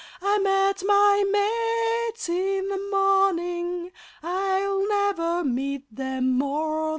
I met my mates in the morning (I'll never meet them more!)